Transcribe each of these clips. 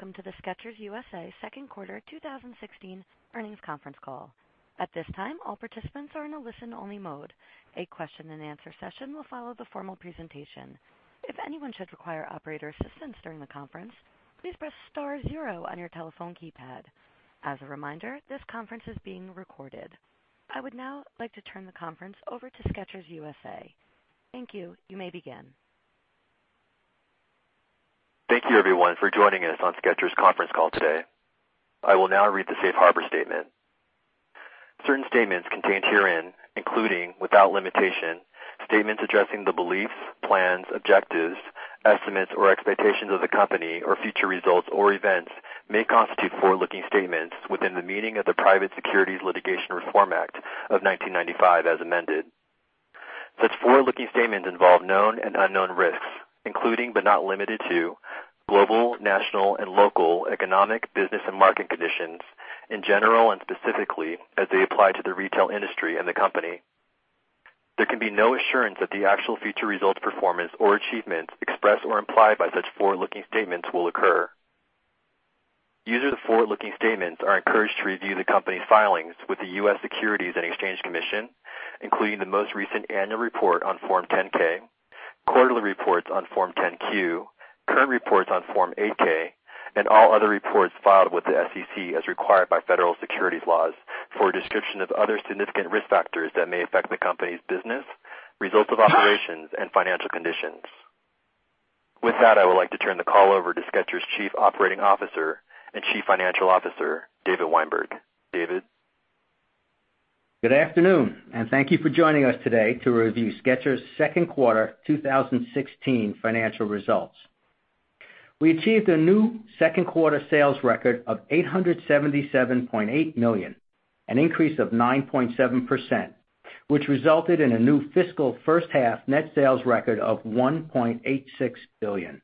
Welcome to the Skechers U.S.A. second quarter 2016 earnings conference call. At this time, all participants are in a listen-only mode. A question and answer session will follow the formal presentation. If anyone should require operator assistance during the conference, please press star zero on your telephone keypad. As a reminder, this conference is being recorded. I would now like to turn the conference over to Skechers U.S.A. Thank you. You may begin. Thank you, everyone, for joining us on Skechers conference call today. I will now read the safe harbor statement. Certain statements contained herein, including, without limitation, statements addressing the beliefs, plans, objectives, estimates, or expectations of the company or future results or events may constitute forward-looking statements within the meaning of the Private Securities Litigation Reform Act of 1995 as amended. Such forward-looking statements involve known and unknown risks, including but not limited to global, national, and local economic, business, and market conditions in general and specifically as they apply to the retail industry and the company. There can be no assurance that the actual future results, performance, or achievements expressed or implied by such forward-looking statements will occur. Users of forward-looking statements are encouraged to review the company's filings with the U.S. Securities and Exchange Commission, including the most recent annual report on Form 10-K, quarterly reports on Form 10-Q, current reports on Form 8-K, and all other reports filed with the SEC as required by federal securities laws for a description of other significant risk factors that may affect the company's business, results of operations, and financial conditions. With that, I would like to turn the call over to Skechers' Chief Operating Officer and Chief Financial Officer, David Weinberg. David? Good afternoon. Thank you for joining us today to review Skechers' second quarter 2016 financial results. We achieved a new second quarter sales record of $877.8 million, an increase of 9.7%, which resulted in a new fiscal first half net sales record of $1.86 billion.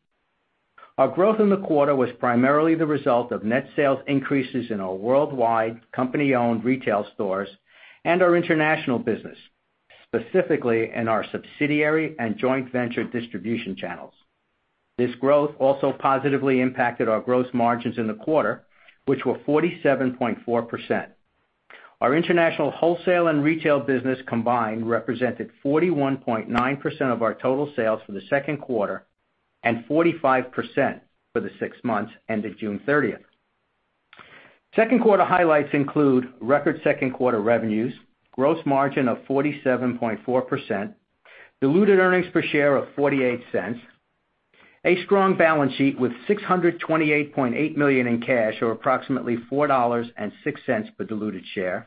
Our growth in the quarter was primarily the result of net sales increases in our worldwide company-owned retail stores and our international business, specifically in our subsidiary and joint venture distribution channels. This growth also positively impacted our gross margins in the quarter, which were 47.4%. Our international wholesale and retail business combined represented 41.9% of our total sales for the second quarter and 45% for the six months ended June 30th. Second quarter highlights include record second quarter revenues, gross margin of 47.4%, diluted earnings per share of $0.48, a strong balance sheet with $628.8 million in cash, or approximately $4.06 per diluted share,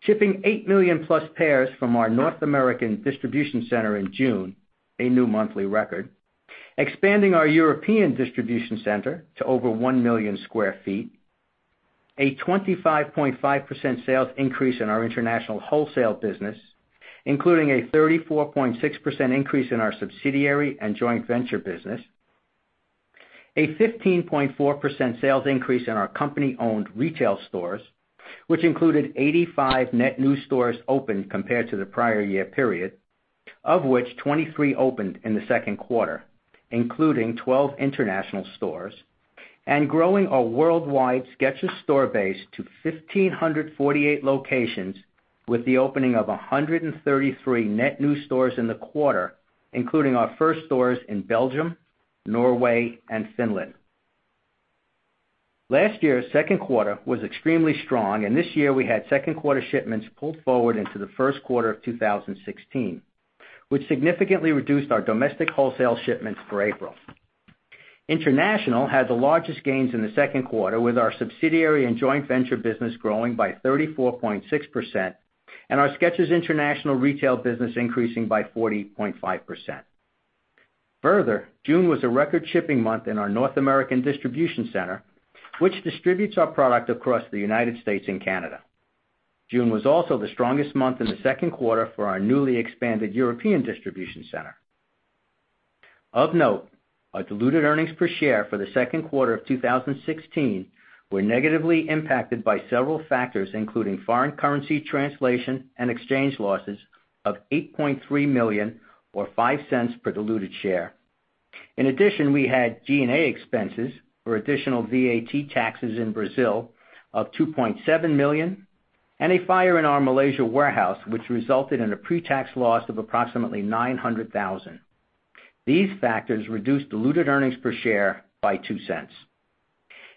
shipping 8 million plus pairs from our North American distribution center in June, a new monthly record, expanding our European distribution center to over 1 million sq ft, a 25.5% sales increase in our international wholesale business, including a 34.6% increase in our subsidiary and joint venture business, a 15.4% sales increase in our company-owned retail stores, which included 85 net new stores opened compared to the prior year period. Of which, 23 opened in the second quarter, including 12 international stores, and growing our worldwide Skechers store base to 1,548 locations with the opening of 133 net new stores in the quarter, including our first stores in Belgium, Norway, and Finland. Last year's second quarter was extremely strong. This year we had second quarter shipments pulled forward into the first quarter of 2016, which significantly reduced our domestic wholesale shipments for April. International had the largest gains in the second quarter, with our subsidiary and joint venture business growing by 34.6% and our Skechers International retail business increasing by 40.5%. Further, June was a record shipping month in our North American distribution center, which distributes our product across the U.S. and Canada. June was also the strongest month in the second quarter for our newly expanded European distribution center. Of note, our diluted earnings per share for the second quarter of 2016 were negatively impacted by several factors, including foreign currency translation and exchange losses of $8.3 million or $0.05 per diluted share. In addition, we had G&A expenses for additional VAT taxes in Brazil of $2.7 million and a fire in our Malaysia warehouse, which resulted in a pre-tax loss of approximately $900,000. These factors reduced diluted earnings per share by $0.02.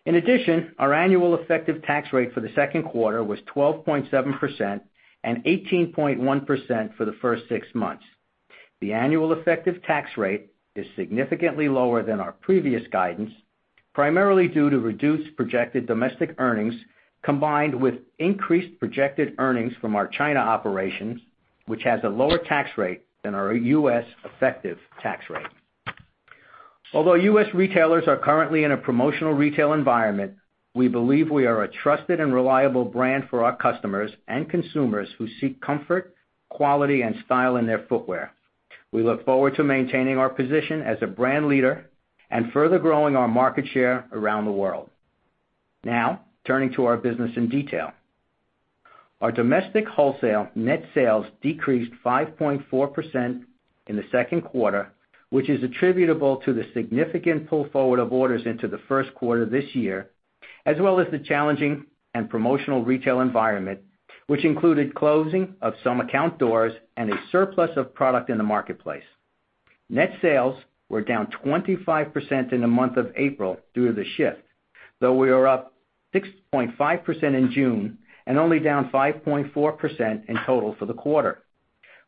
In addition, our annual effective tax rate for the second quarter was 12.7% and 18.1% for the first six months. The annual effective tax rate is significantly lower than our previous guidance, primarily due to reduced projected domestic earnings combined with increased projected earnings from our China operations, which has a lower tax rate than our U.S. effective tax rate. Although U.S. retailers are currently in a promotional retail environment, we believe we are a trusted and reliable brand for our customers and consumers who seek comfort, quality, and style in their footwear. We look forward to maintaining our position as a brand leader and further growing our market share around the world. Now, turning to our business in detail. Our domestic wholesale net sales decreased 5.4% in the second quarter, which is attributable to the significant pull forward of orders into the first quarter this year, as well as the challenging and promotional retail environment, which included closing of some account doors and a surplus of product in the marketplace. Net sales were down 25% in the month of April due to the shift, though we are up 6.5% in June and only down 5.4% in total for the quarter.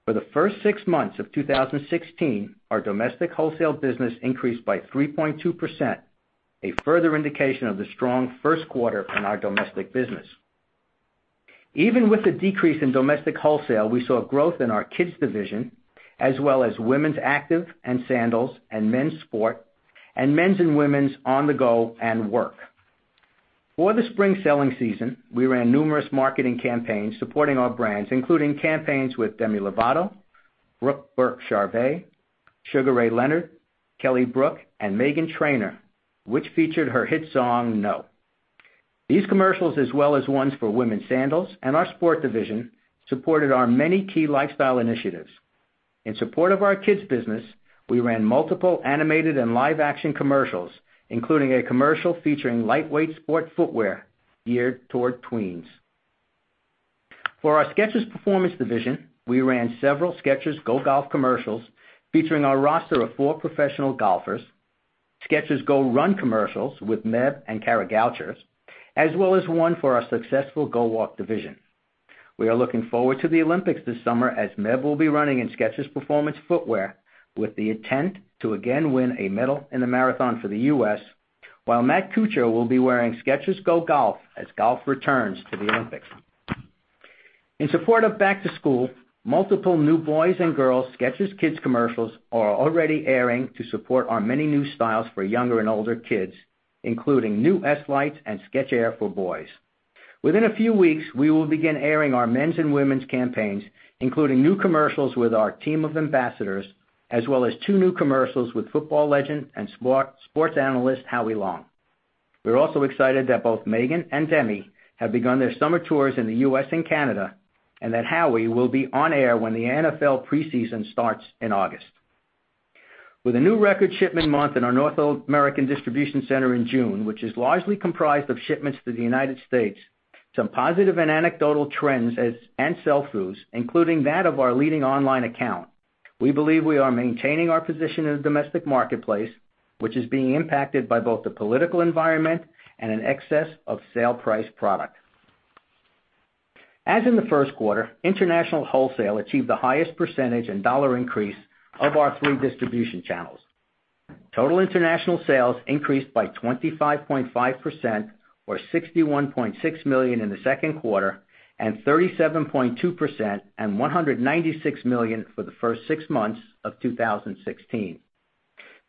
For the first six months of 2016, our domestic wholesale business increased by 3.2%, a further indication of the strong first quarter in our domestic business. Even with the decrease in domestic wholesale, we saw growth in our Kids division as well as women's active and sandals and men's sport and men's and women's on-the-go and work. For the spring selling season, we ran numerous marketing campaigns supporting our brands, including campaigns with Demi Lovato, Brooke Burke-Charvet, Sugar Ray Leonard, Kelly Brook, and Meghan Trainor, which featured her hit song, "No." These commercials, as well as ones for women's sandals and our sport division, supported our many key lifestyle initiatives. In support of our Kids business, we ran multiple animated and live action commercials, including a commercial featuring lightweight sport footwear geared toward tweens. For our Skechers Performance division, we ran several Skechers GO GOLF commercials featuring our roster of four professional golfers, Skechers GO RUN commercials with Meb and Kara Goucher, as well as one for our successful GO WALK division. We are looking forward to the Olympics this summer as Meb will be running in Skechers Performance footwear with the intent to again win a medal in the marathon for the U.S., while Matt Kuchar will be wearing Skechers GO GOLF as golf returns to the Olympics. In support of back to school, multiple new boys and girls Skechers Kids commercials are already airing to support our many new styles for younger and older kids, including new S-Lights and Skech-Air for boys. Within a few weeks, we will begin airing our men's and women's campaigns, including new commercials with our team of ambassadors, as well as two new commercials with football legend and sports analyst, Howie Long. We're also excited that both Meghan and Demi have begun their summer tours in the U.S. and Canada, and that Howie will be on air when the NFL preseason starts in August. With a new record shipment month in our North American distribution center in June, which is largely comprised of shipments to the United States, some positive and anecdotal trends and sell-throughs, including that of our leading online account. We believe we are maintaining our position in the domestic marketplace, which is being impacted by both the political environment and an excess of sale price product. As in the first quarter, international wholesale achieved the highest percentage and dollar increase of our three distribution channels. Total international sales increased by 25.5%, or $61.6 million in the second quarter, and 37.2% and $196 million for the first six months of 2016.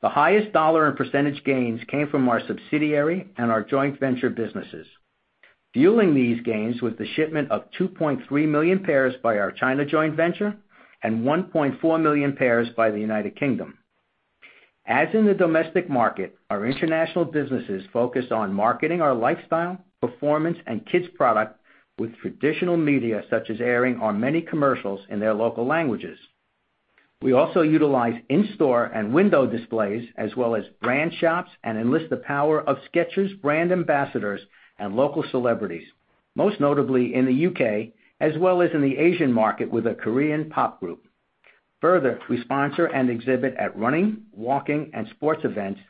The highest dollar and percentage gains came from our subsidiary and our joint venture businesses. Fueling these gains was the shipment of 2.3 million pairs by our China joint venture and 1.4 million pairs by the United Kingdom. As in the domestic market, our international businesses focus on marketing our lifestyle, performance, and Kids product with traditional media, such as airing our many commercials in their local languages. We also utilize in-store and window displays as well as brand shops and enlist the power of Skechers brand ambassadors and local celebrities, most notably in the U.K. as well as in the Asian market with a Korean pop group. Further, we sponsor and exhibit at running, walking, and sports events,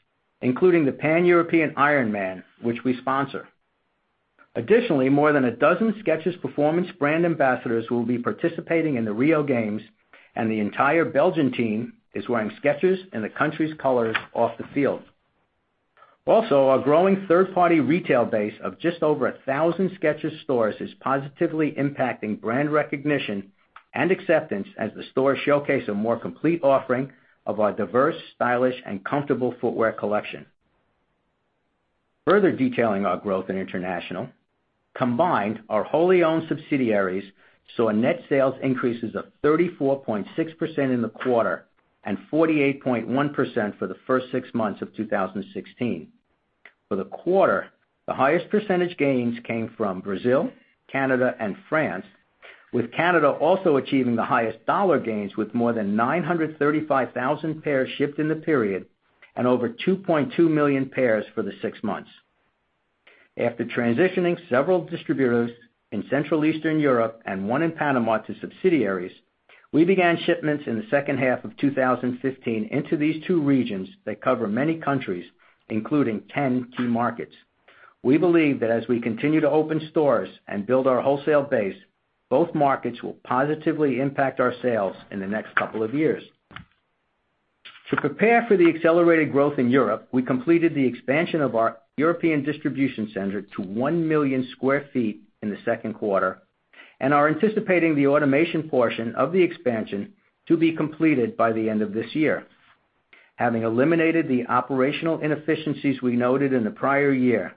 including the Pan European IRONMAN, which we sponsor. Additionally, more than a dozen Skechers Performance brand ambassadors will be participating in the Rio Games, and the entire Belgian team is wearing Skechers in the country's colors off the field. Also, our growing third-party retail base of just over 1,000 Skechers stores is positively impacting brand recognition and acceptance as the stores showcase a more complete offering of our diverse, stylish, and comfortable footwear collection. Further detailing our growth in international, combined, our wholly owned subsidiaries saw net sales increases of 34.6% in the quarter and 48.1% for the first six months of 2016. For the quarter, the highest percentage gains came from Brazil, Canada, and France, with Canada also achieving the highest dollar gains with more than 935,000 pairs shipped in the period and over 2.2 million pairs for the six months. After transitioning several distributors in Central Eastern Europe and one in Panama to subsidiaries, we began shipments in the second half of 2015 into these two regions that cover many countries, including 10 key markets. We believe that as we continue to open stores and build our wholesale base, both markets will positively impact our sales in the next couple of years. To prepare for the accelerated growth in Europe, we completed the expansion of our European distribution center to 1 million square feet in the second quarter and are anticipating the automation portion of the expansion to be completed by the end of this year. Having eliminated the operational inefficiencies we noted in the prior year,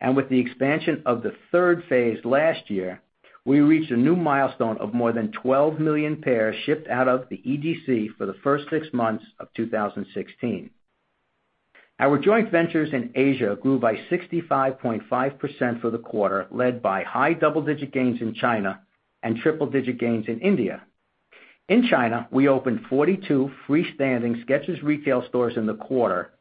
and with the expansion of the third phase last year, we reached a new milestone of more than 12 million pairs shipped out of the EDC for the first six months of 2016. Our joint ventures in Asia grew by 65.5% for the quarter, led by high double-digit gains in China and triple-digit gains in India. In China, we opened 42 freestanding Skechers retail stores in the quarter,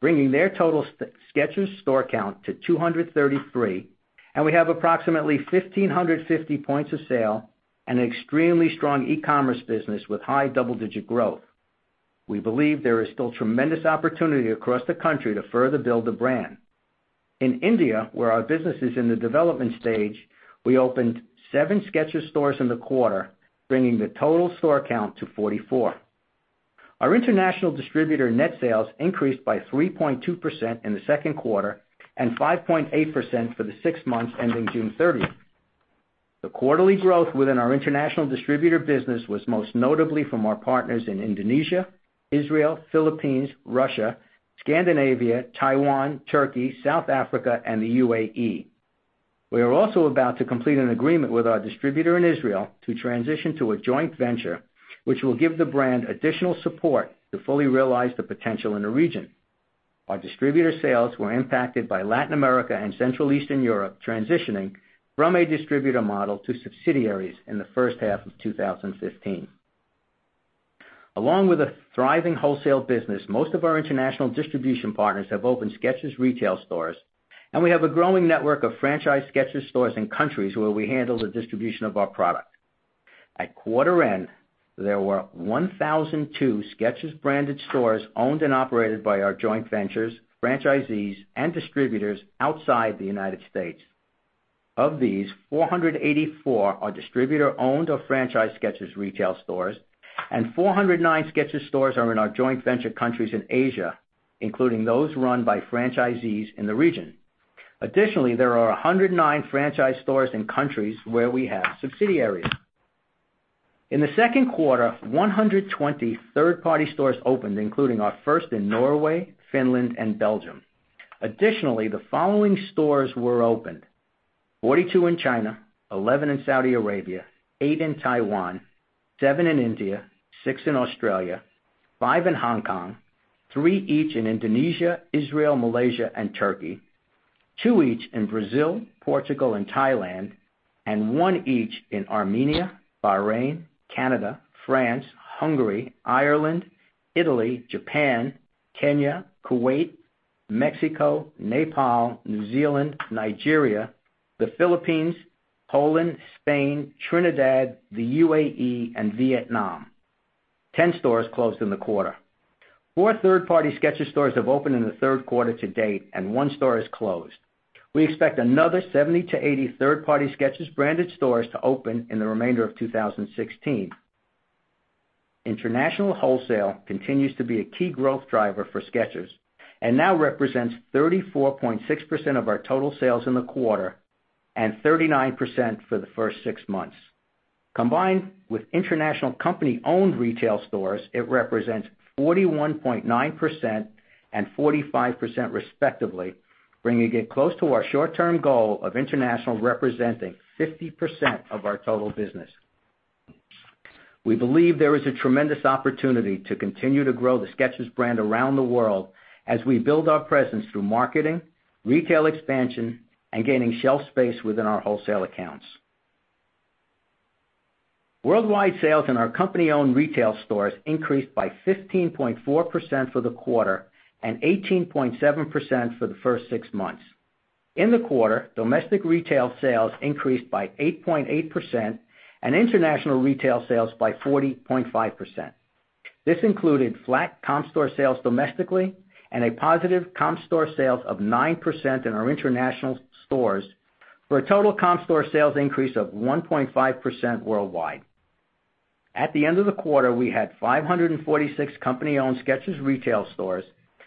bringing their total Skechers store count to 233, and we have approximately 1,550 points of sale and extremely strong e-commerce business with high double-digit growth. We believe there is still tremendous opportunity across the country to further build the brand. In India, where our business is in the development stage, we opened seven Skechers stores in the quarter, bringing the total store count to 44. Our international distributor net sales increased by 3.2% in the second quarter and 5.8% for the six months ending June 30th. The quarterly growth within our international distributor business was most notably from our partners in Indonesia, Israel, Philippines, Russia, Scandinavia, Taiwan, Turkey, South Africa, and the UAE. We are also about to complete an agreement with our distributor in Israel to transition to a joint venture, which will give the brand additional support to fully realize the potential in the region. Our distributor sales were impacted by Latin America and Central Eastern Europe transitioning from a distributor model to subsidiaries in the first half of 2015. Along with a thriving wholesale business, most of our international distribution partners have opened Skechers retail stores, and we have a growing network of franchise Skechers stores in countries where we handle the distribution of our product. At quarter end, there were 1,002 Skechers-branded stores owned and operated by our joint ventures, franchisees, and distributors outside the United States. Of these, 484 are distributor-owned or franchise Skechers retail stores, and 409 Skechers stores are in our joint venture countries in Asia, including those run by franchisees in the region. Additionally, there are 109 franchise stores in countries where we have subsidiaries. In the second quarter, 120 third-party stores opened, including our first in Norway, Finland, and Belgium. Additionally, the following stores were opened: 42 in China, 11 in Saudi Arabia, eight in Taiwan, seven in India, six in Australia, five in Hong Kong, three each in Indonesia, Israel, Malaysia, and Turkey, two each in Brazil, Portugal, and Thailand, and one each in Armenia, Bahrain, Canada, France, Hungary, Ireland, Italy, Japan, Kenya, Kuwait, Mexico, Nepal, New Zealand, Nigeria, the Philippines, Poland, Spain, Trinidad, the UAE, and Vietnam. 10 stores closed in the quarter. Four third-party Skechers stores have opened in the third quarter to date, and one store has closed. We expect another 70 to 80 third-party Skechers-branded stores to open in the remainder of 2016. International wholesale continues to be a key growth driver for Skechers and now represents 34.6% of our total sales in the quarter and 39% for the first six months. Combined with international company-owned retail stores, it represents 41.9% and 45% respectively, bringing it close to our short-term goal of international representing 50% of our total business. We believe there is a tremendous opportunity to continue to grow the Skechers brand around the world as we build our presence through marketing, retail expansion, and gaining shelf space within our wholesale accounts. Worldwide sales in our company-owned retail stores increased by 15.4% for the quarter and 18.7% for the first six months. In the quarter, domestic retail sales increased by 8.8% and international retail sales by 40.5%. This included flat comp store sales domestically and a positive comp store sales of 9% in our international stores for a total comp store sales increase of 1.5% worldwide. At the end of the quarter, we had 546 company-owned Skechers retail stores,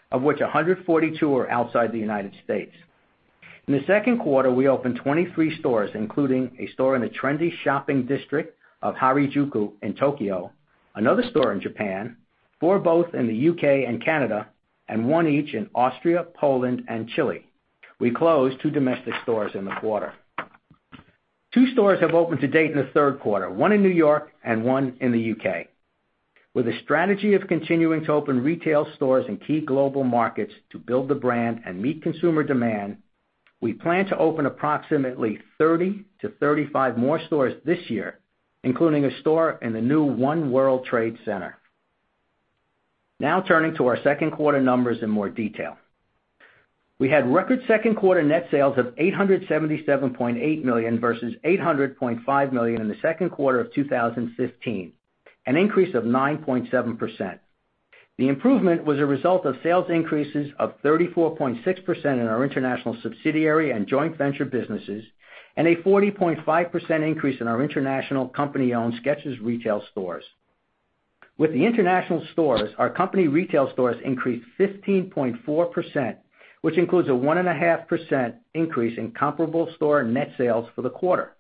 of which 142 were outside the United States. In the second quarter, we opened 23 stores, including a store in a trendy shopping district of Harajuku in Tokyo, another store in Japan, four both in the U.K. and Canada, and one each in Austria, Poland, and Chile. We closed two domestic stores in the quarter. Two stores have opened to date in the third quarter, one in New York and one in the U.K. With a strategy of continuing to open retail stores in key global markets to build the brand and meet consumer demand, we plan to open approximately 30 to 35 more stores this year, including a store in the new One World Trade Center. Turning to our second quarter numbers in more detail. We had record second quarter net sales of $877.8 million versus $800.5 million in the second quarter of 2015, an increase of 9.7%. The improvement was a result of sales increases of 34.6% in our international subsidiary and joint venture businesses and a 40.5% increase in our international company-owned Skechers retail stores. With the international stores, our company retail stores increased 15.4%, which includes a 1.5% increase in comparable store net sales for the quarter.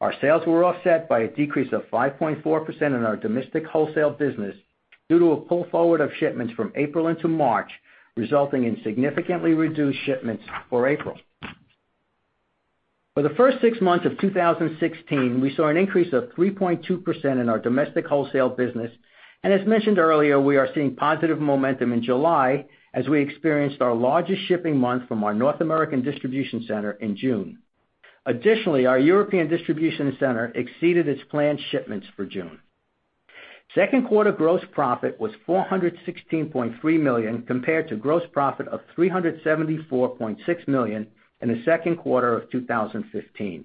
Our sales were offset by a decrease of 5.4% in our domestic wholesale business due to a pull forward of shipments from April into March, resulting in significantly reduced shipments for April. For the first six months of 2016, we saw an increase of 3.2% in our domestic wholesale business. As mentioned earlier, we are seeing positive momentum in July as we experienced our largest shipping month from our North American distribution center in June. Additionally, our European distribution center exceeded its planned shipments for June. Second quarter gross profit was $416.3 million, compared to gross profit of $374.6 million in the second quarter of 2015.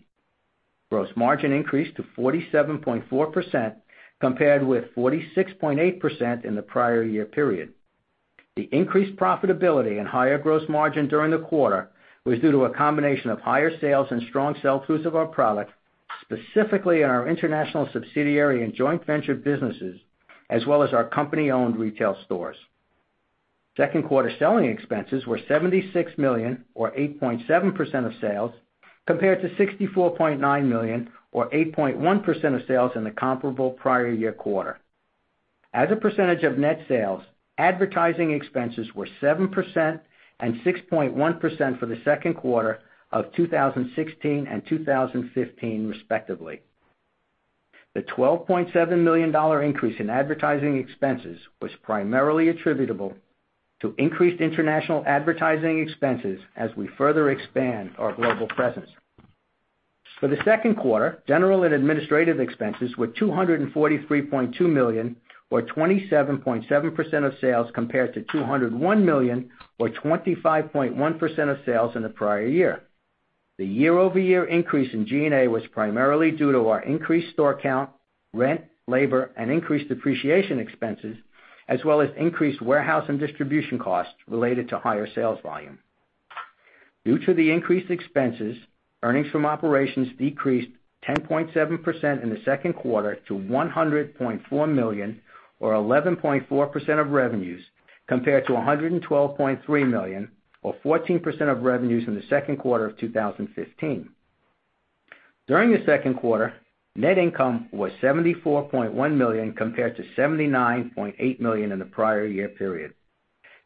Gross margin increased to 47.4%, compared with 46.8% in the prior year period. The increased profitability and higher gross margin during the quarter was due to a combination of higher sales and strong sell-throughs of our products, specifically in our international subsidiary and joint venture businesses, as well as our company-owned retail stores. Second quarter selling expenses were $76 million, or 8.7% of sales, compared to $64.9 million, or 8.1% of sales in the comparable prior year quarter. As a percentage of net sales, advertising expenses were 7% and 6.1% for the second quarter of 2016 and 2015 respectively. The $12.7 million increase in advertising expenses was primarily attributable to increased international advertising expenses as we further expand our global presence. For the second quarter, general and administrative expenses were $243.2 million, or 27.7% of sales, compared to $201 million, or 25.1% of sales in the prior year. The year-over-year increase in G&A was primarily due to our increased store count, rent, labor, and increased depreciation expenses, as well as increased warehouse and distribution costs related to higher sales volume. Due to the increased expenses, earnings from operations decreased 10.7% in the second quarter to $100.4 million, or 11.4% of revenues, compared to $112.3 million or 14% of revenues from the second quarter of 2015. During the second quarter, net income was $74.1 million, compared to $79.8 million in the prior year period.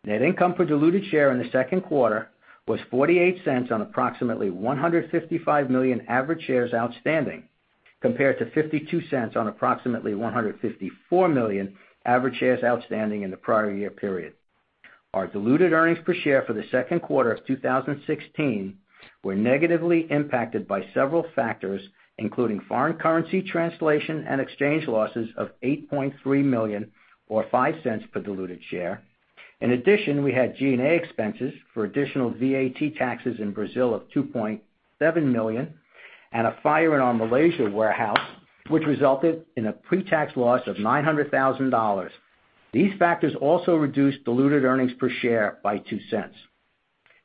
Net income per diluted share in the second quarter was $0.48 on approximately 155 million average shares outstanding, compared to $0.52 on approximately 154 million average shares outstanding in the prior year period. Our diluted earnings per share for the second quarter of 2016 were negatively impacted by several factors, including foreign currency translation and exchange losses of $8.3 million, or $0.05 per diluted share. In addition, we had G&A expenses for additional VAT taxes in Brazil of $2.7 million, and a fire in our Malaysia warehouse, which resulted in a pre-tax loss of $900,000. These factors also reduced diluted earnings per share by $0.02.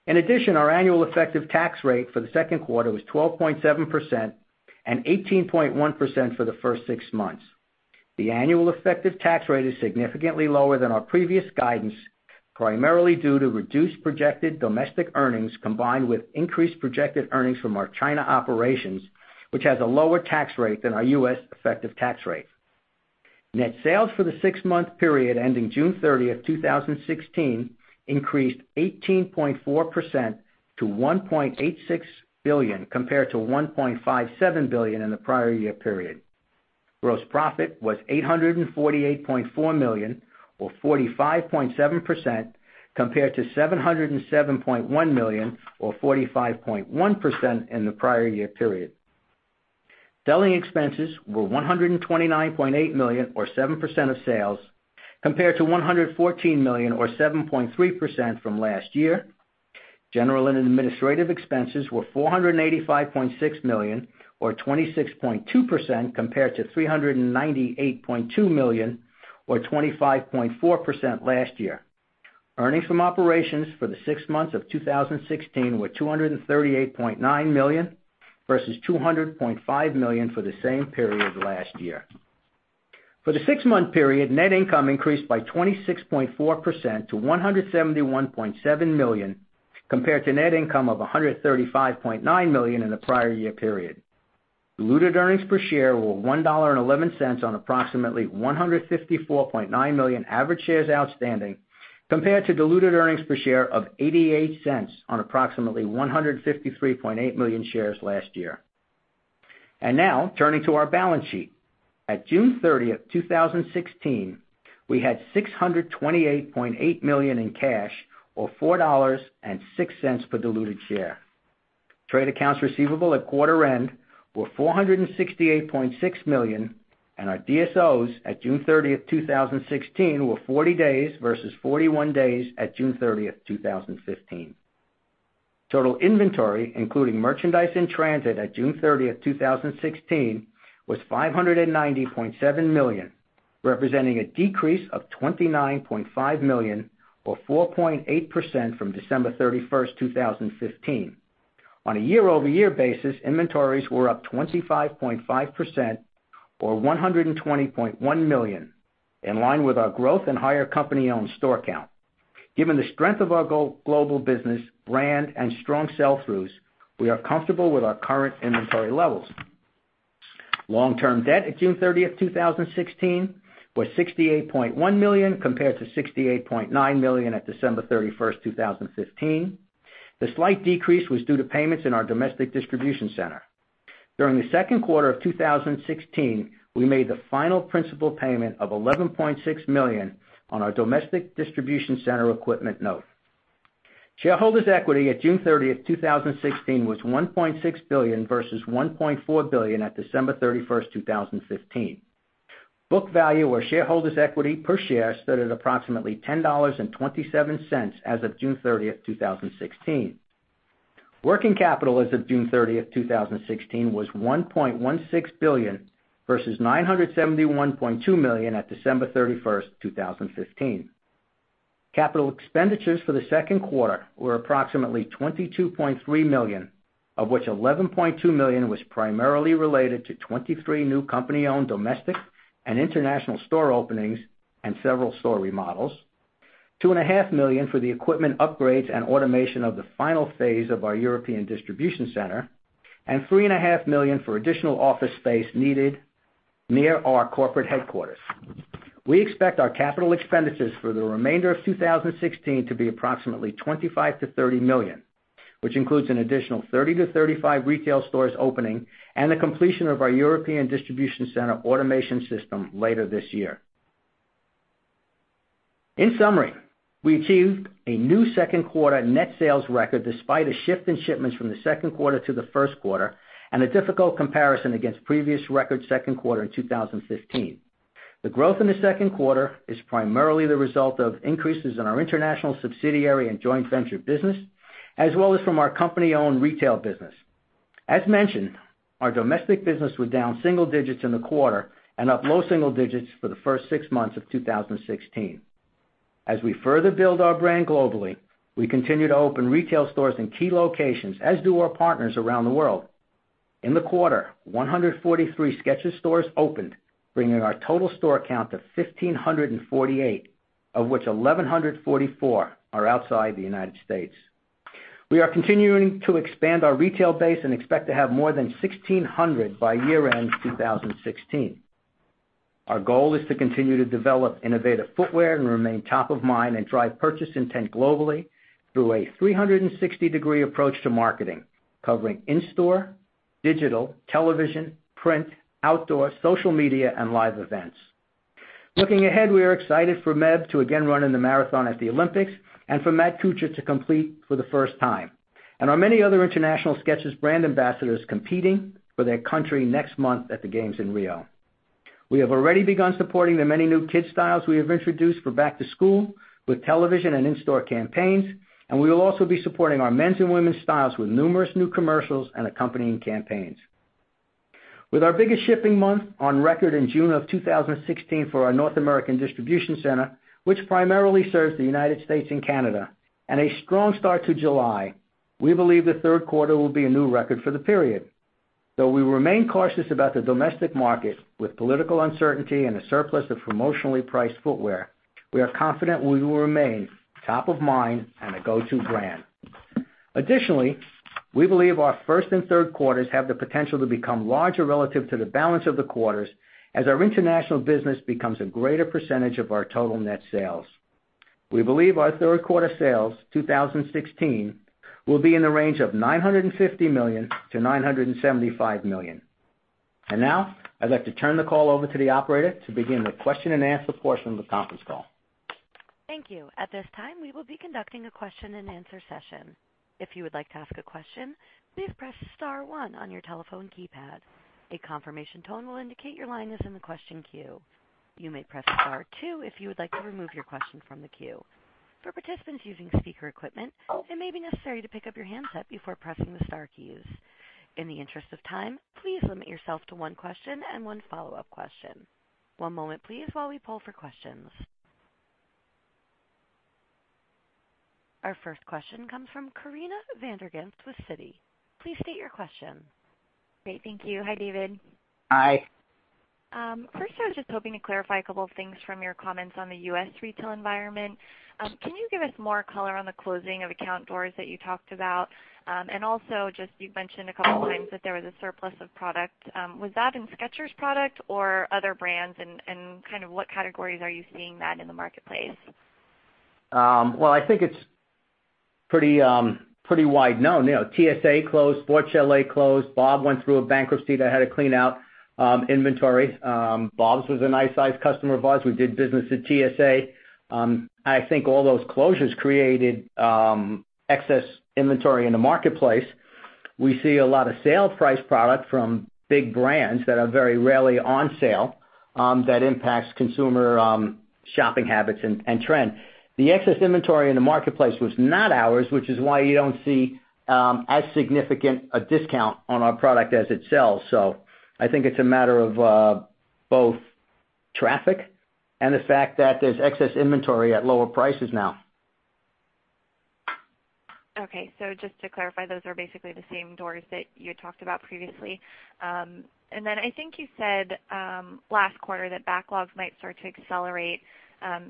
In addition, our annual effective tax rate for the second quarter was 12.7% and 18.1% for the first six months. The annual effective tax rate is significantly lower than our previous guidance, primarily due to reduced projected domestic earnings, combined with increased projected earnings from our China operations, which has a lower tax rate than our U.S. effective tax rate. Net sales for the six-month period ending June 30th, 2016 increased 18.4% to $1.86 billion, compared to $1.57 billion in the prior year period. Gross profit was $848.4 million, or 45.7%, compared to $707.1 million, or 45.1% in the prior year period. Selling expenses were $129.8 million or 7% of sales, compared to $114 million or 7.3% from last year. General and Administrative expenses were $485.6 million or 26.2%, compared to $398.2 million or 25.4% last year. Earnings from operations for the six months of 2016 were $238.9 million, versus $200.5 million for the same period last year. For the six-month period, net income increased by 26.4% to $171.7 million, compared to net income of $135.9 million in the prior year period. Diluted earnings per share were $1.11 on approximately 154.9 million average shares outstanding, compared to diluted earnings per share of $0.88 on approximately 153.8 million shares last year. Now turning to our balance sheet. At June 30th, 2016, we had $628.8 million in cash or $4.06 per diluted share. Trade accounts receivable at quarter end were $468.6 million, and our DSOs at June 30th, 2016 were 40 days versus 41 days at June 30th, 2015. Total inventory, including merchandise in transit at June 30th, 2016, was $590.7 million, representing a decrease of $29.5 million or 4.8% from December 31st, 2015. On a year-over-year basis, inventories were up 25.5% or $120.1 million, in line with our growth and higher company-owned store count. Given the strength of our global business, brand, and strong sell-throughs, we are comfortable with our current inventory levels. Long-term debt at June 30th, 2016, was $68.1 million compared to $68.9 million at December 31st, 2015. The slight decrease was due to payments in our domestic distribution center. During the second quarter of 2016, we made the final principal payment of $11.6 million on our domestic distribution center equipment note. Shareholders' equity at June 30th, 2016, was $1.6 billion versus $1.4 billion at December 31st, 2015. Book value or shareholders' equity per share stood at approximately $10.27 as of June 30th, 2016. Working capital as of June 30th, 2016, was $1.16 billion versus $971.2 million at December 31st, 2015. Capital Expenditures for the second quarter were approximately $22.3 million, of which $11.2 million was primarily related to 23 new company-owned domestic and international store openings and several store remodels, $2.5 million for the equipment upgrades and automation of the final phase of our European distribution center, and $3.5 million for additional office space needed near our corporate headquarters. We expect our Capital Expenditures for the remainder of 2016 to be approximately $25 million-$30 million, which includes an additional 30 to 35 retail stores opening and the completion of our European distribution center automation system later this year. In summary, we achieved a new second quarter net sales record despite a shift in shipments from the second quarter to the first quarter, and a difficult comparison against the previous record second quarter in 2015. The growth in the second quarter is primarily the result of increases in our international subsidiary and joint venture business, as well as from our company-owned retail business. As mentioned, our domestic business was down single digits in the quarter and up low single digits for the first six months of 2016. As we further build our brand globally, we continue to open retail stores in key locations, as do our partners around the world. In the quarter, 143 Skechers stores opened, bringing our total store count to 1,548, of which 1,144 are outside the United States. We are continuing to expand our retail base and expect to have more than 1,600 by year-end 2016. Our goal is to continue to develop innovative footwear and remain top of mind and drive purchase intent globally through a 360-degree approach to marketing, covering in-store, digital, television, print, outdoor, social media, and live events. Looking ahead, we are excited for Meb to again run in the marathon at the Olympics and for Matt Kuchar to compete for the first time, and our many other international Skechers brand ambassadors competing for their country next month at the games in Rio. We have already begun supporting the many new Kids' styles we have introduced for back to school with television and in-store campaigns, and we will also be supporting our men's and women's styles with numerous new commercials and accompanying campaigns. With our biggest shipping month on record in June of 2016 for our North American distribution center, which primarily serves the United States and Canada, and a strong start to July, we believe the third quarter will be a new record for the period. Though we remain cautious about the domestic market with political uncertainty and a surplus of promotionally priced footwear, we are confident we will remain top of mind and a go-to brand. Additionally, we believe our first and third quarters have the potential to become larger relative to the balance of the quarters as our international business becomes a greater percentage of our total net sales. We believe our third quarter sales 2016 will be in the range of $950 million-$975 million. Now, I'd like to turn the call over to the operator to begin the question and answer portion of the conference call. Thank you. At this time, we will be conducting a question and answer session. If you would like to ask a question, please press *1 on your telephone keypad. A confirmation tone will indicate your line is in the question queue. You may press *2 if you would like to remove your question from the queue. For participants using speaker equipment, it may be necessary to pick up your handset before pressing the star keys. In the interest of time, please limit yourself to one question and one follow-up question. One moment, please, while we poll for questions. Our first question comes from Corinna van der Ghinst with Citi. Please state your question. Great. Thank you. Hi, David. Hi. I was just hoping to clarify a couple of things from your comments on the U.S. retail environment. Can you give us more color on the closing of account doors that you talked about? You've mentioned a couple of times that there was a surplus of product. Was that in Skechers product or other brands, and kind of what categories are you seeing that in the marketplace? Well, I think it's pretty wide known. TSA closed. Sport Chalet closed. Bob's went through a bankruptcy that had to clean out inventory. Bob's was a nice size customer of ours. We did business at TSA. I think all those closures created excess inventory in the marketplace. We see a lot of sale price product from big brands that are very rarely on sale that impacts consumer shopping habits and trend. The excess inventory in the marketplace was not ours, which is why you don't see as significant a discount on our product as it sells. I think it's a matter of both traffic and the fact that there's excess inventory at lower prices now. Okay. Just to clarify, those are basically the same doors that you had talked about previously. I think you said, last quarter that backlogs might start to accelerate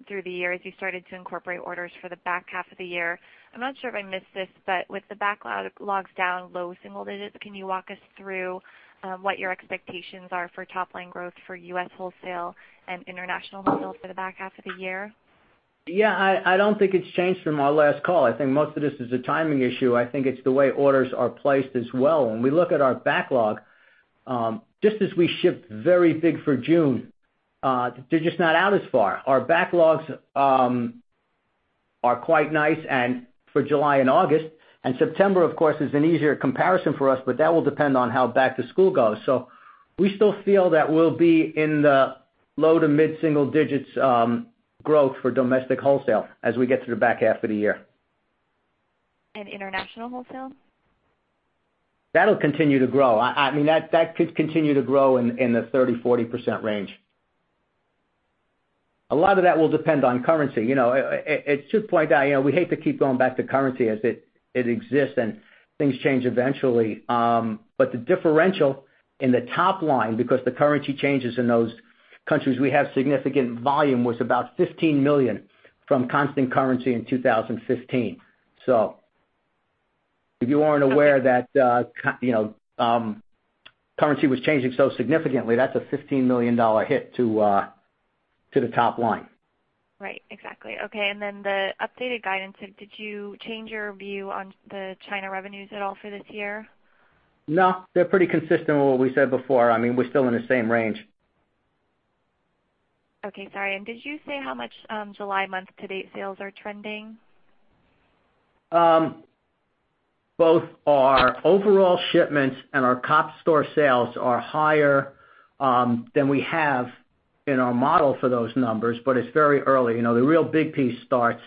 through the year as you started to incorporate orders for the back half of the year. I'm not sure if I missed this, but with the backlogs down low single digits, can you walk us through what your expectations are for top-line growth for U.S. wholesale and international wholesale for the back half of the year? Yeah. I don't think it's changed from our last call. I think most of this is a timing issue. I think it's the way orders are placed as well. When we look at our backlog, just as we shipped very big for June, they're just not out as far. Our backlogs are quite nice, and for July and August. September, of course, is an easier comparison for us, but that will depend on how back to school goes. We still feel that we'll be in the low to mid single digits growth for domestic wholesale as we get through the back half of the year. International wholesale? That'll continue to grow. That could continue to grow in the 30%, 40% range. A lot of that will depend on currency. It's just like that. We hate to keep going back to currency as it exists and things change eventually. The differential in the top line, because the currency changes in those countries we have significant volume, was about $15 million from constant currency in 2015. If you weren't aware that currency was changing so significantly, that's a $15 million hit to the top line. Right. Exactly. Okay, the updated guidance, did you change your view on the China revenues at all for this year? No, they're pretty consistent with what we said before. We're still in the same range. Okay. Sorry. Did you say how much July month to date sales are trending? Both our overall shipments and our comp store sales are higher than we have in our model for those numbers, but it's very early. The real big piece starts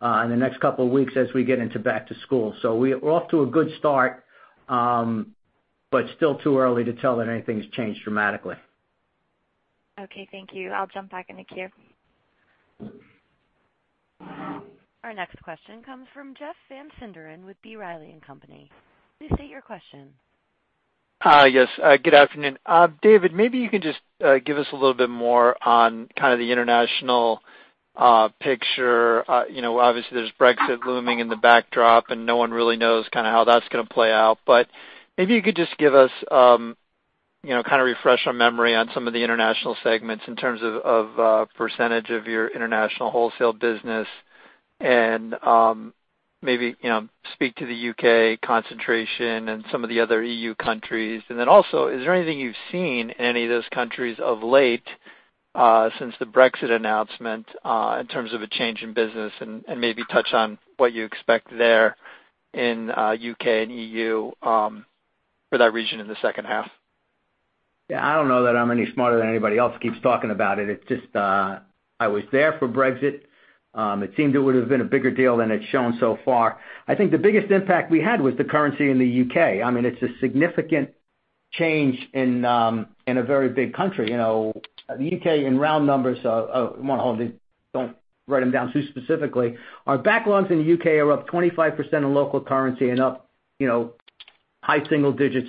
in the next couple of weeks as we get into back to school. We're off to a good start, but still too early to tell that anything's changed dramatically. Okay, thank you. I'll jump back in the queue. Our next question comes from Jeff Van Sinderen with B. Riley & Company. Please state your question. Yes. Good afternoon. David, maybe you can just give us a little bit more on kind of the international picture. Obviously, there's Brexit looming in the backdrop, no one really knows kind of how that's going to play out. Maybe you could just kind of refresh our memory on some of the international segments in terms of percentage of your international wholesale business and maybe speak to the U.K. concentration and some of the other EU countries. Then also, is there anything you've seen in any of those countries of late since the Brexit announcement in terms of a change in business? Maybe touch on what you expect there in U.K. and EU for that region in the second half. Yeah, I don't know that I'm any smarter than anybody else who keeps talking about it. It's just, I was there for Brexit. It seemed it would have been a bigger deal than it's shown so far. I think the biggest impact we had was the currency in the U.K. It's a significant change in a very big country. The U.K., in round numbers, I want to hold these, don't write them down too specifically. Our backlogs in the U.K. are up 25% in local currency and up high single digits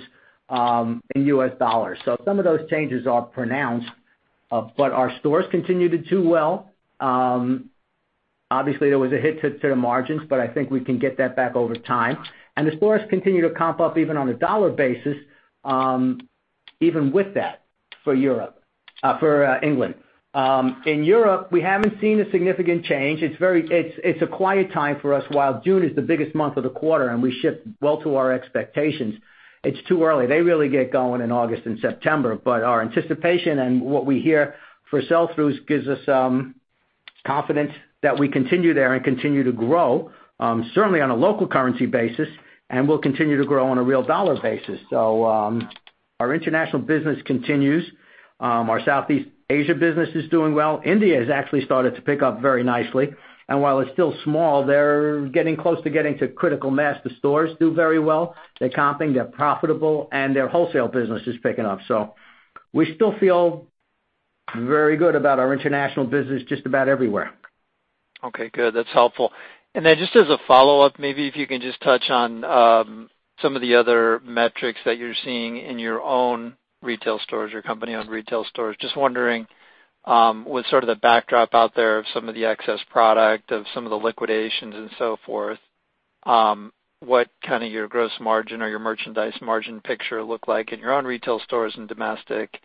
in US dollars. Some of those changes are pronounced. Our stores continue to do well. Obviously, there was a hit to the margins, I think we can get that back over time. The stores continue to comp up even on a dollar basis, even with that for England. In Europe, we haven't seen a significant change. It's a quiet time for us. While June is the biggest month of the quarter and we ship well to our expectations, it's too early. They really get going in August and September. Our anticipation and what we hear for sell-throughs gives us confidence that we continue there and continue to grow. Certainly on a local currency basis, we'll continue to grow on a real dollar basis. Our international business continues. Our Southeast Asia business is doing well. India has actually started to pick up very nicely. While it's still small, they're getting close to getting to critical mass. The stores do very well. They're comping, they're profitable, and their wholesale business is picking up. We still feel very good about our international business just about everywhere. Okay, good. That's helpful. Just as a follow-up, maybe if you can just touch on some of the other metrics that you're seeing in your own retail stores, your company-owned retail stores. Just wondering with sort of the backdrop out there of some of the excess product, of some of the liquidations and so forth, what kind of your gross margin or your merchandise margin picture look like in your own retail stores in domestic,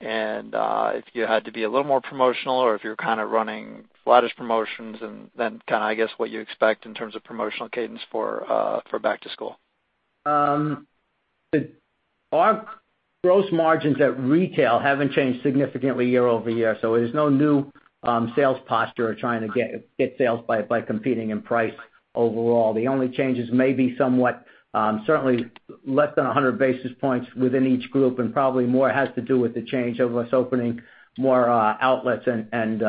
and if you had to be a little more promotional or if you're kind of running flattish promotions. Kind of, I guess, what you expect in terms of promotional cadence for back to school. Our gross margins at retail haven't changed significantly year-over-year. There's no new sales posture or trying to get sales by competing in price overall. The only change is maybe somewhat, certainly less than 100 basis points within each group, and probably more has to do with the change of us opening more outlets and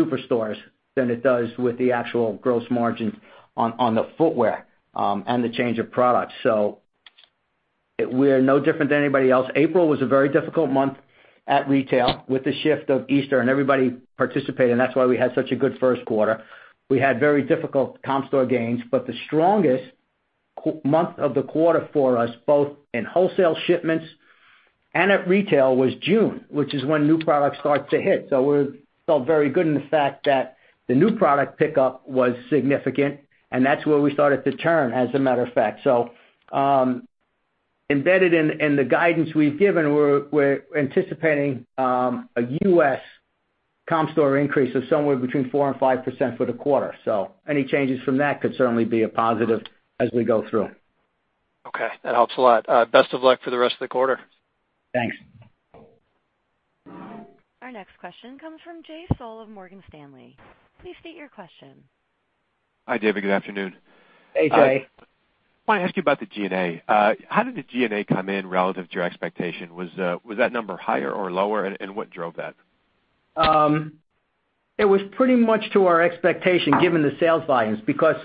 superstores than it does with the actual gross margins on the footwear and the change of products. We're no different than anybody else. April was a very difficult month at retail with the shift of Easter, and everybody participated, and that's why we had such a good first quarter. We had very difficult comp store gains, but the strongest month of the quarter for us, both in wholesale shipments and at retail, was June, which is when new products start to hit. We felt very good in the fact that the new product pickup was significant, and that's where we started to turn, as a matter of fact. Embedded in the guidance we've given, we're anticipating a U.S. comp store increase of somewhere between 4% and 5% for the quarter. Any changes from that could certainly be a positive as we go through. Okay, that helps a lot. Best of luck for the rest of the quarter. Thanks. Our next question comes from Jay Sole of Morgan Stanley. Please state your question. Hi, David. Good afternoon. Hey, Jay. I want to ask you about the G&A. How did the G&A come in relative to your expectation? Was that number higher or lower, and what drove that? It was pretty much to our expectation given the sales volumes, because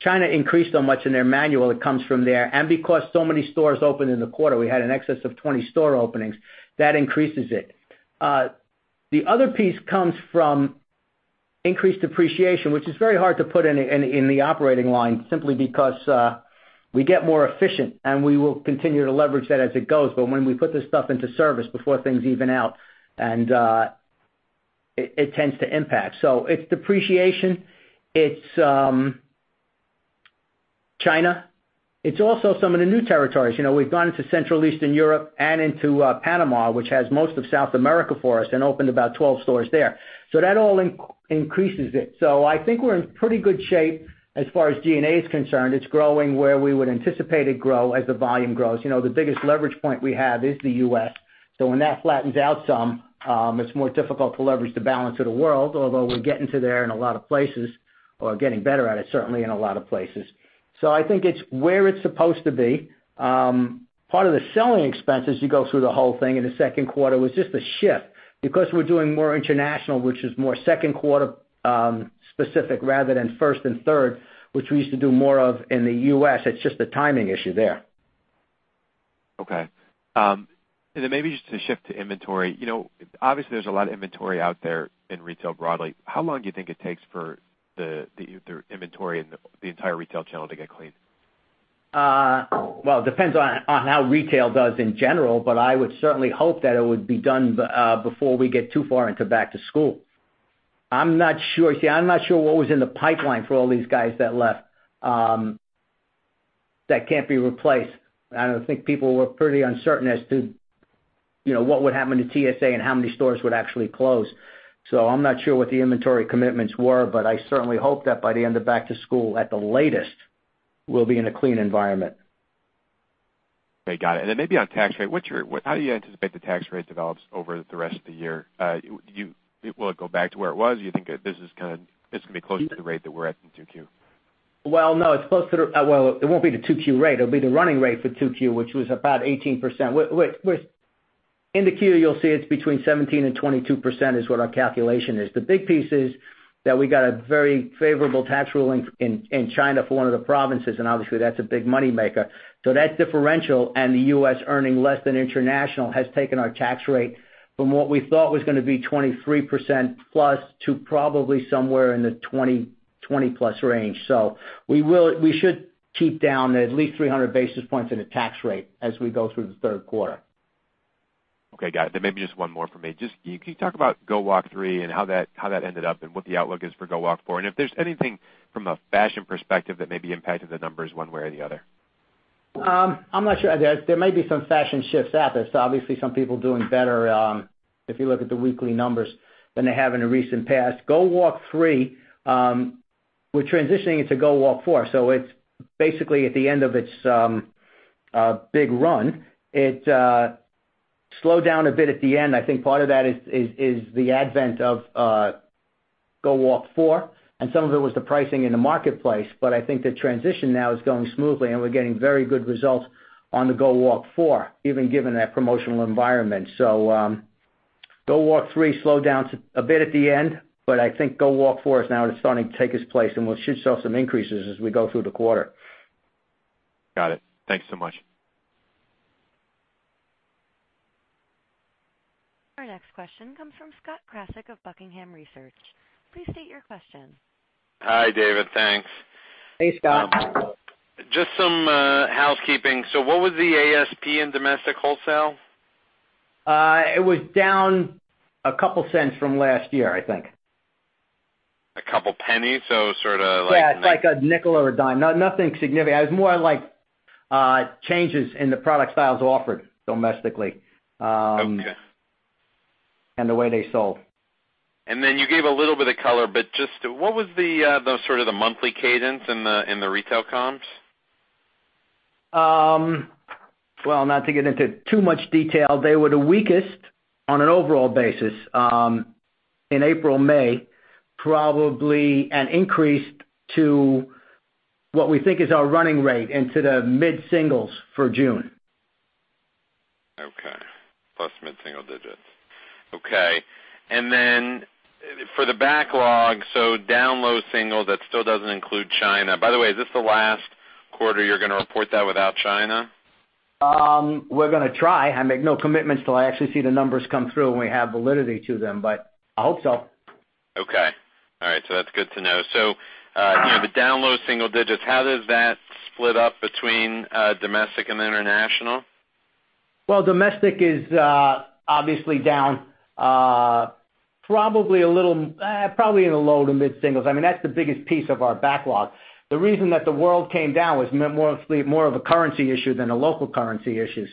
China increased so much in their manual, it comes from there. Because so many stores opened in the quarter, we had an excess of 20 store openings. That increases it. The other piece comes from increased depreciation, which is very hard to put in the operating line simply because we get more efficient, and we will continue to leverage that as it goes. When we put this stuff into service before things even out, and it tends to impact. It's depreciation. It's China. It's also some of the new territories. We've gone into Central Eastern Europe and into Panama, which has most of South America for us, and opened about 12 stores there. That all increases it. I think we're in pretty good shape as far as G&A is concerned. It's growing where we would anticipate it grow as the volume grows. The biggest leverage point we have is the U.S., when that flattens out some, it's more difficult to leverage the balance of the world, although we're getting to there in a lot of places or getting better at it, certainly in a lot of places. I think it's where it's supposed to be. Part of the selling expense as you go through the whole thing in the second quarter was just a shift because we're doing more international, which is more second quarter specific rather than first and third, which we used to do more of in the U.S. It's just a timing issue there. Okay. Maybe just to shift to inventory. Obviously, there's a lot of inventory out there in retail broadly. How long do you think it takes for the inventory and the entire retail channel to get clean? Well, it depends on how retail does in general, I would certainly hope that it would be done before we get too far into back to school. I'm not sure. I'm not sure what was in the pipeline for all these guys that left that can't be replaced. I think people were pretty uncertain as to what would happen to TSA and how many stores would actually close. I'm not sure what the inventory commitments were, I certainly hope that by the end of back to school at the latest, we'll be in a clean environment. Okay, got it. Maybe on tax rate, how do you anticipate the tax rate develops over the rest of the year? Will it go back to where it was? Do you think this is going to be close to the rate that we're at in 2Q? Well, no. It won't be the 2Q rate. It'll be the running rate for 2Q, which was about 18%. In the Q, you'll see it's between 17%-22% is what our calculation is. The big piece is that we got a very favorable tax ruling in China for one of the provinces, obviously that's a big money maker. That differential and the U.S. earning less than international has taken our tax rate from what we thought was going to be 23% plus to probably somewhere in the 20 plus range. We should keep down at least 300 basis points in the tax rate as we go through the third quarter. Okay, got it. Maybe just one more from me. Can you talk about GO WALK 3 and how that ended up and what the outlook is for GO WALK 4? If there's anything from a fashion perspective that may be impacting the numbers one way or the other. I'm not sure. There may be some fashion shifts out there. Obviously some people doing better, if you look at the weekly numbers, than they have in the recent past. GO WALK 3, we're transitioning into GO WALK 4. It's basically at the end of its big run. It slowed down a bit at the end. I think part of that is the advent of GO WALK 4, some of it was the pricing in the marketplace. I think the transition now is going smoothly, we're getting very good results on the GO WALK 4, even given that promotional environment. GO WALK 3 slowed down a bit at the end, I think GO WALK 4 is now starting to take its place, we should show some increases as we go through the quarter. Got it. Thank you so much. Our next question comes from Scott Krasik of Buckingham Research. Please state your question. Hi, David. Thanks. Hey, Scott. Just some housekeeping. What was the ASP in domestic wholesale? It was down a couple cents from last year, I think. A couple pennies? Yeah, it's like $0.05 or $0.10. Nothing significant. It was more like changes in the product styles offered domestically. Okay. The way they sold. You gave a little bit of color, but just what was the sort of the monthly cadence in the retail comps? Not to get into too much detail. They were the weakest on an overall basis in April, May. Probably an increase to what we think is our running rate into the mid-singles for June. Okay. Plus mid-single digits. Okay. For the backlog, so down low single, that still doesn't include China. By the way, is this the last quarter you're going to report that without China? We're going to try. I make no commitments till I actually see the numbers come through and we have validity to them, but I hope so. Okay. All right. That's good to know. The down low single digits, how does that split up between domestic and international? Well, domestic is obviously down, probably in the low to mid-singles. That's the biggest piece of our backlog. The reason that the world came down was more of a currency issue than a local currency issue.